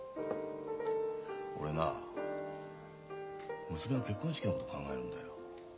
俺な娘の結婚式のこと考えるんだよ。